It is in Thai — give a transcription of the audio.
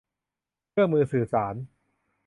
เครื่องมือสื่อสาร